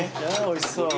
おいしそう。